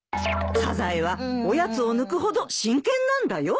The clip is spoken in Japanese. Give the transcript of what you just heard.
サザエはおやつを抜くほど真剣なんだよ。